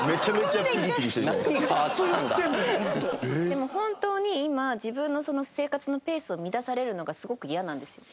でも本当に今自分の生活のペースを乱されるのがすごくイヤなんですよ。